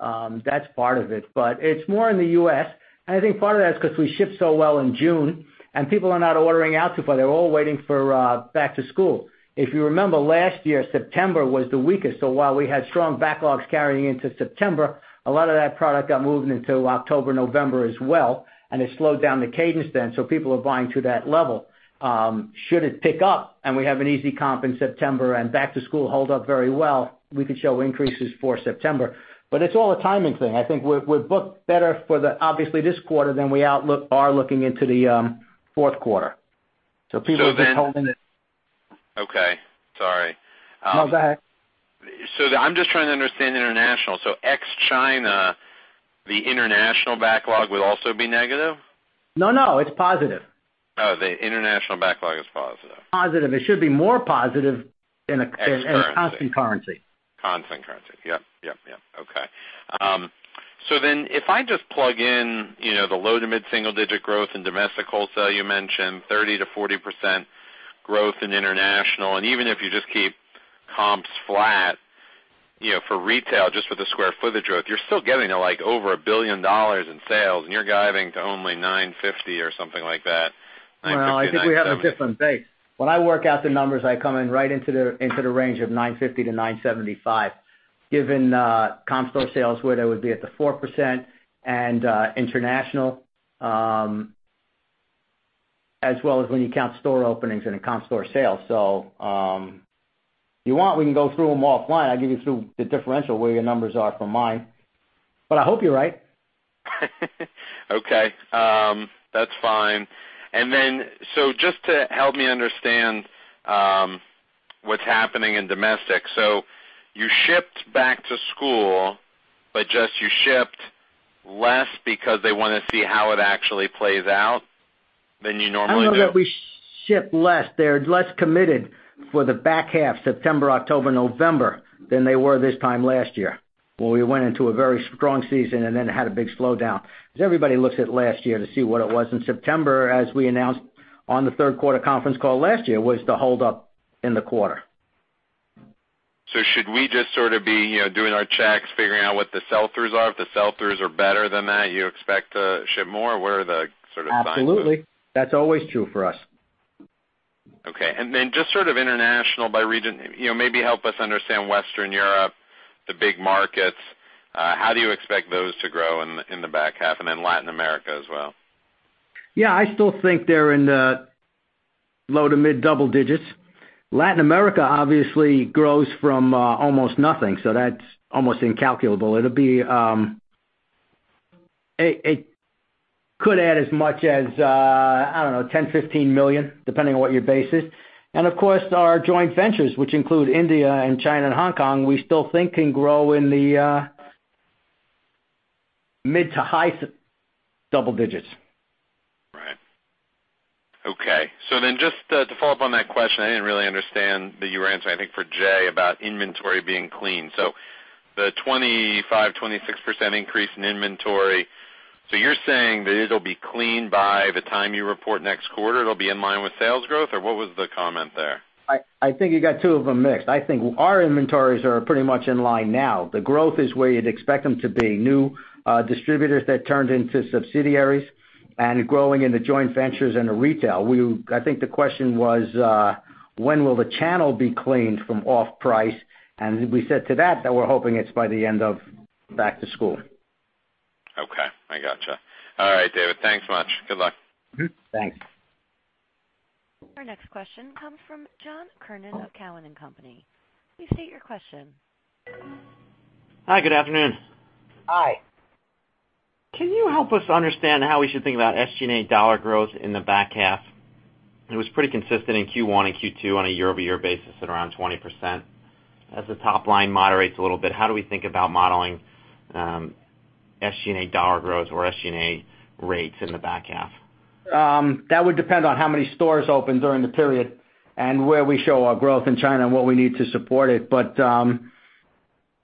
That's part of it, but it's more in the U.S., and I think part of that is because we shipped so well in June and people are not ordering out to, but they're all waiting for back to school. If you remember last year, September was the weakest. While we had strong backlogs carrying into September, a lot of that product got moved into October, November as well, and it slowed down the cadence then. People are buying to that level. Should it pick up and we have an easy comp in September and back to school hold up very well, we could show increases for September. It's all a timing thing. I think we're booked better for obviously this quarter than we are looking into the fourth quarter. People just holding it. Okay. Sorry. No, go ahead. I'm just trying to understand international. Ex China, the international backlog will also be negative? No, no, it's positive. Oh, the international backlog is positive. Positive. It should be more positive in a constant currency. Constant currency. Yep. Okay. If I just plug in the low to mid-single-digit growth in domestic wholesale, you mentioned 30%-40% growth in international, and even if you just keep comps flat, for retail, just for the square footage growth, you're still getting to over $1 billion in sales and you're guiding to only $950 or something like that. Well, I think we have a different base. When I work out the numbers, I come in right into the range of $950-$975, given comp store sales where they would be at the 4% and international, as well as when you count store openings in a comp store sale. If you want, we can go through them offline. I'll give you the differential where your numbers are from mine, but I hope you're right. Just to help me understand what's happening in domestic. You shipped back to school, but just, you shipped less because they want to see how it actually plays out than you normally do? I don't know that we shipped less. They're less committed for the back half, September, October, November, than they were this time last year, where we went into a very strong season and then had a big slowdown. Everybody looks at last year to see what it was in September, as we announced on the third quarter conference call last year, was the hold-up in the quarter. Should we just sort of be doing our checks, figuring out what the sell-throughs are? If the sell-throughs are better than that, you expect to ship more? What are the sort of signs of- Absolutely. That's always true for us. Okay. Just sort of international by region, maybe help us understand Western Europe, the big markets. How do you expect those to grow in the back half, and then Latin America as well? Yeah, I still think they're in the low to mid double digits. Latin America obviously grows from almost nothing, so that's almost incalculable. It could add as much as, I don't know, $10 million, $15 million, depending on what your base is. Of course, our joint ventures, which include India and China and Hong Kong, we still think can grow in the mid to high double digits. Right. Okay. Just to follow up on that question, I didn't really understand that you were answering, I think for Jay about inventory being clean. The 25%, 26% increase in inventory. You're saying that it'll be clean by the time you report next quarter, it'll be in line with sales growth? What was the comment there? I think you got two of them mixed. I think our inventories are pretty much in line now. The growth is where you'd expect them to be. New distributors that turned into subsidiaries and growing in the joint ventures and the retail. I think the question was, when will the channel be cleaned from off-price? We said to that we're hoping it's by the end of back to school. Okay. I gotcha. All right, David. Thanks much. Good luck. Thanks. Our next question comes from John Kernan of Cowen and Company. Please state your question. Hi, good afternoon. Hi. Can you help us understand how we should think about SG&A dollar growth in the back half? It was pretty consistent in Q1 and Q2 on a year-over-year basis at around 20%. As the top line moderates a little bit, how do we think about modeling SG&A dollar growth or SG&A rates in the back half? That would depend on how many stores open during the period and where we show our growth in China and what we need to support it.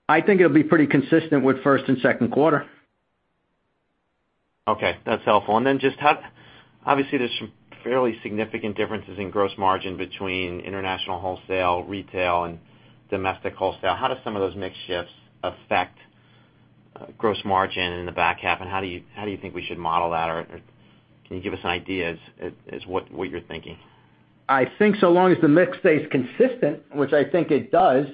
I think it'll be pretty consistent with first and second quarter. Okay, that's helpful. Then just, obviously, there's some fairly significant differences in gross margin between international wholesale, retail, and domestic wholesale. How do some of those mix shifts affect gross margin in the back half, and how do you think we should model that? Or can you give us an idea as what you're thinking? I think so long as the mix stays consistent, which I think it does,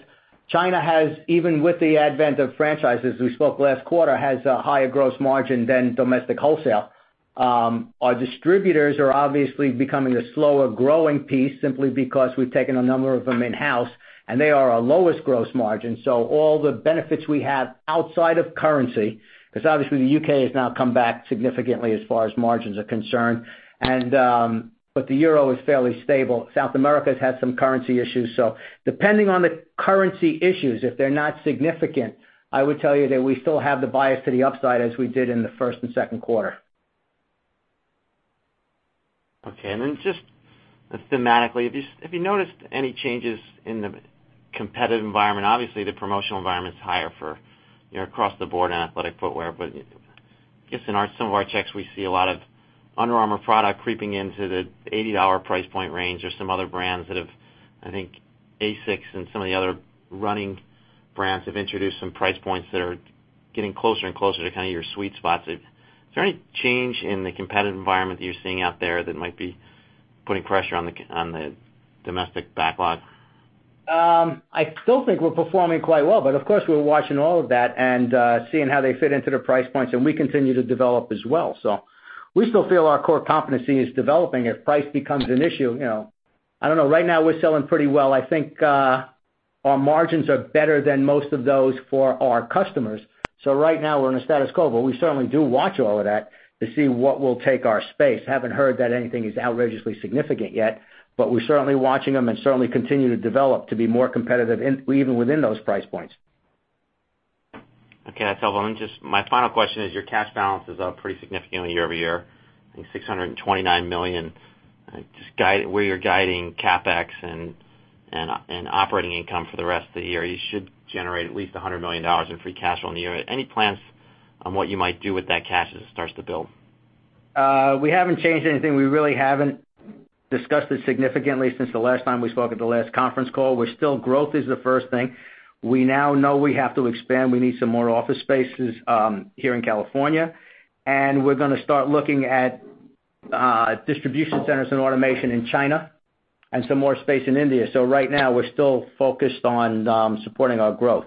China has, even with the advent of franchises, we spoke last quarter, has a higher gross margin than domestic wholesale. Our distributors are obviously becoming a slower-growing piece simply because we've taken a number of them in-house, and they are our lowest gross margin. All the benefits we have outside of currency, because obviously the U.K. has now come back significantly as far as margins are concerned. The euro is fairly stable. South America's had some currency issues, so depending on the currency issues, if they're not significant, I would tell you that we still have the bias to the upside as we did in the first and second quarter. Okay. Then just thematically, have you noticed any changes in the competitive environment? Obviously, the promotional environment is higher across the board in athletic footwear. I guess in some of our checks, we see a lot of Under Armour product creeping into the $80 price point range or some other brands, I think ASICS and some of the other running brands, have introduced some price points that are getting closer and closer to kind of your sweet spot. Is there any change in the competitive environment that you're seeing out there that might be putting pressure on the domestic backlog? I still think we're performing quite well, but of course, we're watching all of that and seeing how they fit into the price points, and we continue to develop as well. We still feel our core competency is developing. If price becomes an issue, I don't know. Right now, we're selling pretty well. I think, our margins are better than most of those for our customers. Right now, we're in a status quo, but we certainly do watch all of that to see what will take our space. Haven't heard that anything is outrageously significant yet, but we're certainly watching them and certainly continue to develop to be more competitive even within those price points. Okay. That's all. My final question is, your cash balance is up pretty significantly year-over-year, I think $629 million. Just where you're guiding CapEx and operating income for the rest of the year, you should generate at least $100 million in free cash on the year. Any plans on what you might do with that cash as it starts to build? We haven't changed anything. We really haven't discussed it significantly since the last time we spoke at the last conference call. We're still growth is the first thing. We now know we have to expand. We need some more office spaces here in California, and we're going to start looking at distribution centers and automation in China and some more space in India. Right now, we're still focused on supporting our growth.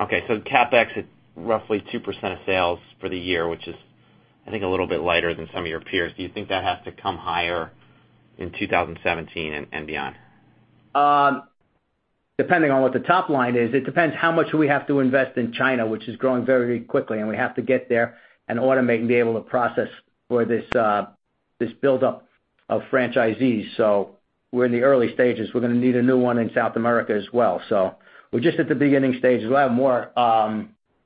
Okay. CapEx at roughly 2% of sales for the year, which is, I think, a little bit lighter than some of your peers. Do you think that has to come higher in 2017 and beyond? Depending on what the top line is. It depends how much we have to invest in China, which is growing very quickly, and we have to get there and automate and be able to process for this buildup of franchisees. We're in the early stages. We're going to need a new one in South America as well. We're just at the beginning stages. We'll have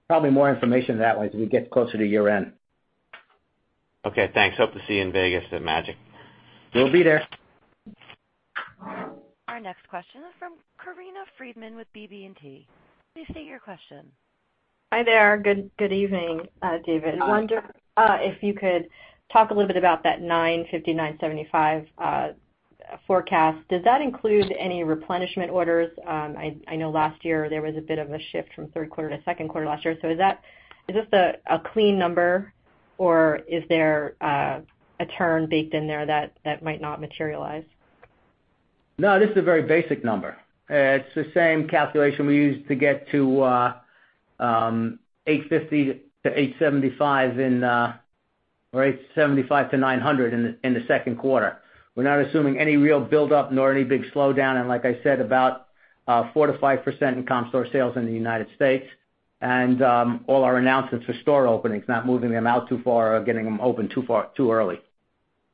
probably more information that way as we get closer to year-end. Okay, thanks. Hope to see you in Vegas at MAGIC. We'll be there. Our next question is from Corinna Freedman with BB&T. Please state your question. Hi there. Good evening, David. I wonder if you could talk a little bit about that $950 million-$975 million forecast. Does that include any replenishment orders? I know last year there was a bit of a shift from third quarter to second quarter last year. Is this a clean number or is there a turn baked in there that might not materialize? No, this is a very basic number. It's the same calculation we used to get to 850-875 or 875-900 in the second quarter. We're not assuming any real buildup nor any big slowdown. Like I said, about 4%-5% in comp store sales in the United States and all our announcements for store openings, not moving them out too far or getting them open too early.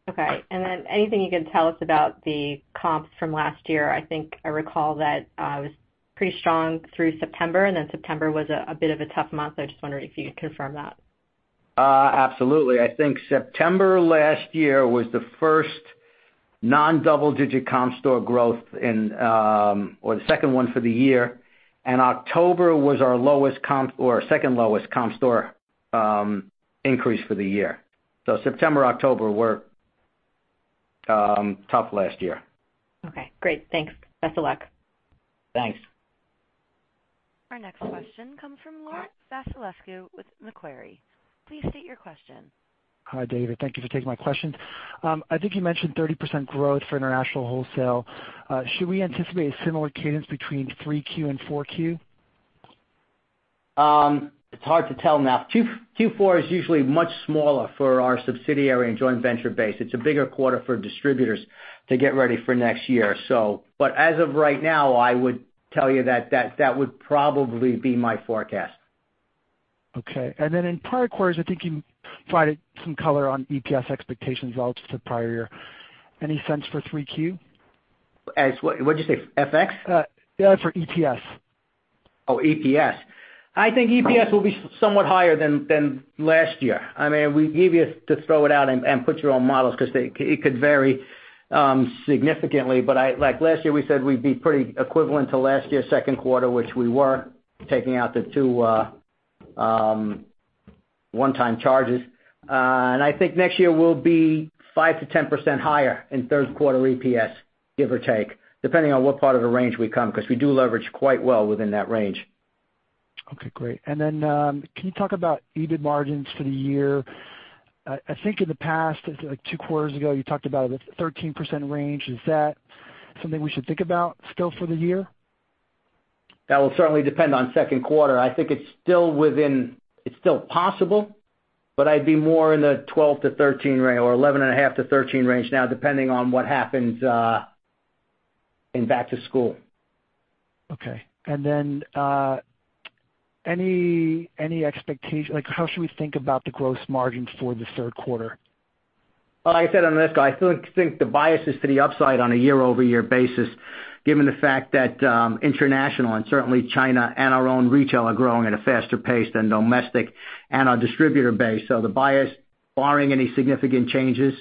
Okay. Anything you can tell us about the comps from last year? I think I recall that it was pretty strong through September, and then September was a bit of a tough month. I just wondered if you could confirm that. Absolutely. I think September last year was the first non-double-digit comp store growth or the second one for the year, and October was our lowest comp or second lowest comp store increase for the year. September, October were tough last year. Okay, great. Thanks. Best of luck. Thanks. Our next question comes from Laurent Vasilescu with Macquarie. Please state your question. Hi, David. Thank you for taking my questions. I think you mentioned 30% growth for international wholesale. Should we anticipate a similar cadence between 3Q and 4Q? It's hard to tell now. Q4 is usually much smaller for our subsidiary and joint venture base. It's a bigger quarter for distributors to get ready for next year. As of right now, I would tell you that would probably be my forecast. Okay. Then in prior quarters, I think you provided some color on EPS expectations relative to prior year. Any sense for 3Q? What'd you say, FX? For EPS. Oh, EPS. I think EPS will be somewhat higher than last year. We give you to throw it out and put your own models because it could vary significantly. Like last year, we said we'd be pretty equivalent to last year's second quarter, which we were, taking out the two one-time charges. I think next year will be 5%-10% higher in third quarter EPS, give or take, depending on what part of the range we come, because we do leverage quite well within that range. Okay, great. Can you talk about EBIT margins for the year? I think in the past, two quarters ago, you talked about a 13% range. Is that something we should think about still for the year? That will certainly depend on second quarter. I think it's still possible, but I'd be more in the 12%-13% range or 11.5%-13% range now, depending on what happens in back to school. Okay. How should we think about the gross margins for the third quarter? Like I said on this call, I still think the bias is to the upside on a year-over-year basis, given the fact that international and certainly China and our own retail are growing at a faster pace than domestic and our distributor base. The bias, barring any significant changes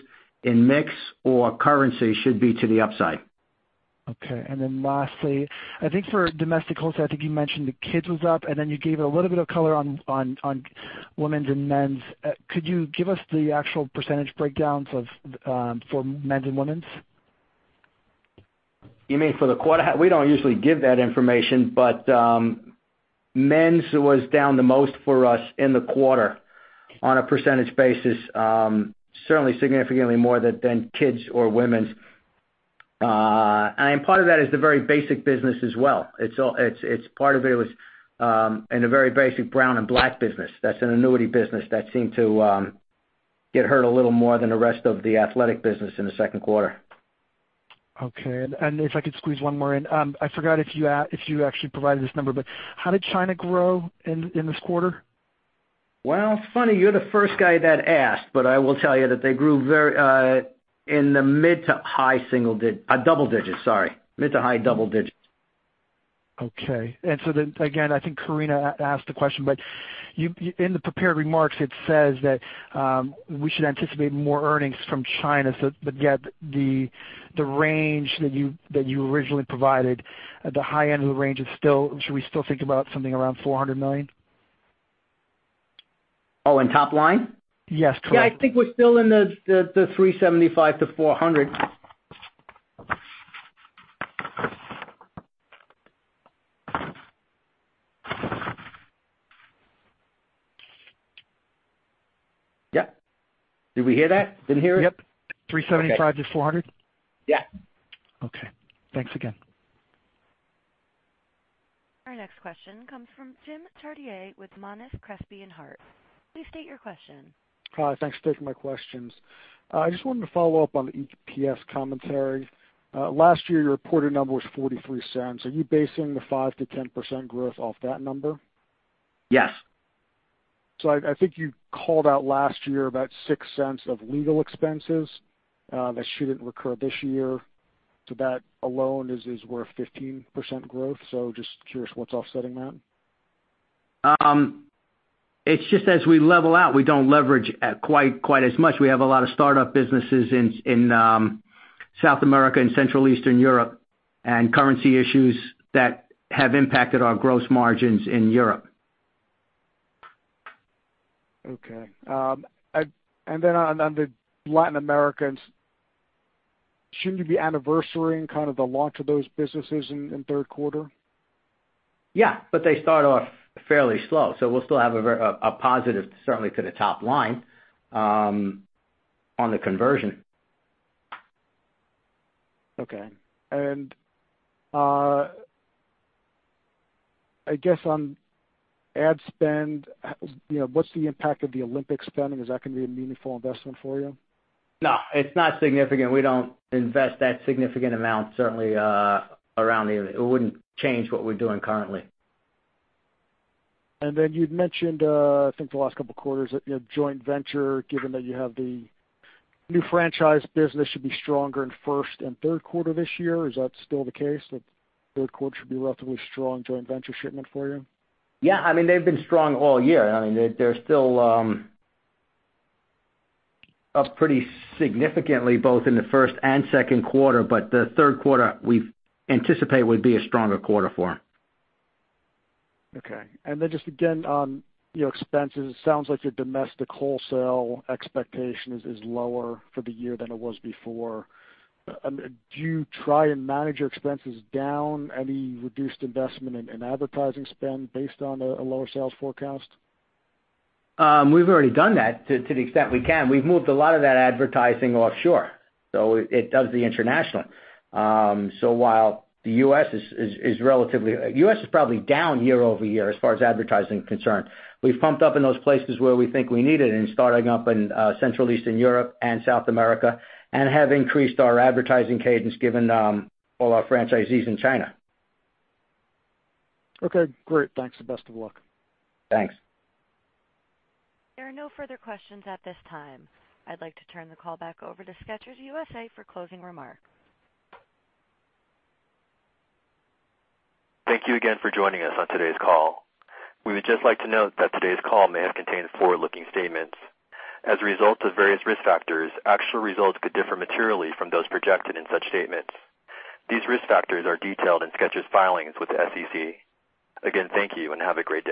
in mix or currency, should be to the upside. Lastly, I think for domestic wholesale, I think you mentioned the Kids was up, and you gave it a little bit of color on women's and men's. Could you give us the actual percentage breakdowns for men's and women's? You mean for the quarter? We don't usually give that information. Men's was down the most for us in the quarter on a percentage basis. Certainly significantly more than Kids or women's. Part of that is the very basic business as well. Part of it was in the very basic brown and black business. That's an annuity business that seemed to get hurt a little more than the rest of the athletic business in the second quarter. Okay. If I could squeeze one more in. I forgot if you actually provided this number, how did China grow in this quarter? Well, it's funny, you're the first guy that asked, I will tell you that they grew in the mid to high double digits. Okay. Again, I think Corinna asked the question, in the prepared remarks, it says that we should anticipate more earnings from China. The range that you originally provided at the high end of the range, should we still think about something around $400 million? Oh, in top line? Yes, correct. Yeah, I think we're still in the $375-$400. Yep. Did we hear that? Didn't hear it? Yep. $375-$400? Yeah. Okay. Thanks again. Our next question comes from Jim Chartier with Monness, Crespi and Hart. Please state your question. Hi. Thanks for taking my questions. I just wanted to follow up on the EPS commentary. Last year, your reported number was $0.43. Are you basing the 5%-10% growth off that number? Yes. I think you called out last year about $0.06 of legal expenses that shouldn't recur this year. That alone is worth 15% growth. Just curious what's offsetting that? It's just as we level out, we don't leverage quite as much. We have a lot of startup businesses in South America and Central Eastern Europe, and currency issues that have impacted our gross margins in Europe. Okay. Then on the Latin Americans, shouldn't you be anniversarying kind of the launch of those businesses in third quarter? Yeah, they start off fairly slow. We'll still have a positive, certainly to the top line, on the conversion. Okay. I guess on ad spend, what's the impact of the Olympic spending? Is that going to be a meaningful investment for you? No, it's not significant. We don't invest that significant amount, certainly. It wouldn't change what we're doing currently. You'd mentioned, I think the last couple of quarters, joint venture, given that you have the new franchise business should be stronger in first and third quarter this year. Is that still the case, that third quarter should be a relatively strong joint venture shipment for you? Yeah. I mean, they've been strong all year. I mean, they're still up pretty significantly, both in the first and second quarter, but the third quarter we've anticipated would be a stronger quarter for them. Okay. Just again on your expenses, it sounds like your domestic wholesale expectation is lower for the year than it was before. Do you try and manage your expenses down? Any reduced investment in advertising spend based on a lower sales forecast? We've already done that to the extent we can. We've moved a lot of that advertising offshore, so it does the international. While the U.S. is probably down year-over-year as far as advertising is concerned. We've pumped up in those places where we think we need it, and starting up in Central Eastern Europe and South America, and have increased our advertising cadence given all our franchisees in China. Okay, great. Thanks, and best of luck. Thanks. There are no further questions at this time. I'd like to turn the call back over to Skechers U.S.A. for closing remarks. Thank you again for joining us on today's call. We would just like to note that today's call may have contained forward-looking statements. As a result of various risk factors, actual results could differ materially from those projected in such statements. These risk factors are detailed in Skechers' filings with the SEC. Again, thank you and have a great day